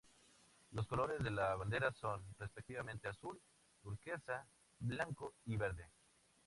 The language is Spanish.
Los colores de la bandera son, respectivamente: azul turquesa, blanco y verde.